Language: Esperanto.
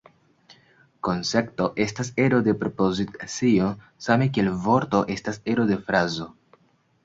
Koncepto estas ero de propozicio same kiel vorto estas ero de frazo.